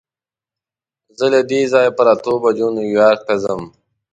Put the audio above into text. زه له دې ځایه پر اتو بجو نیویارک ته ځم.